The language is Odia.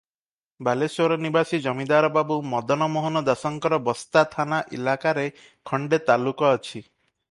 ବାଲେଶ୍ୱର ନିବାସୀ ଜମିଦାର ବାବୁ ମଦନ ମୋହନ ଦାସଙ୍କର ବସ୍ତା ଥାନା ଇଲାକାରେ ଖଣ୍ଡେ ତାଲୁକ ଅଛି ।